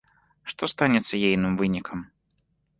Што станецца ейным вынікам?